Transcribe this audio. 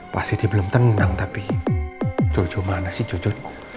pasti dia belum tenang tapi jojo mana sih jojo